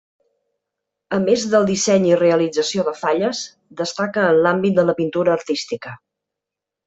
A més del disseny i realització de Falles, destaca en l'àmbit de la pintura artística.